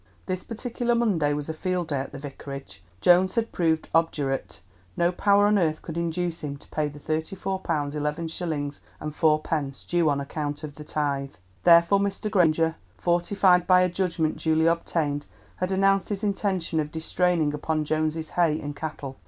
This particular Monday was a field day at the Vicarage. Jones had proved obdurate; no power on earth could induce him to pay the £34 11s. 4d. due on account of tithe. Therefore Mr. Granger, fortified by a judgment duly obtained, had announced his intention of distraining upon Jones's hay and cattle.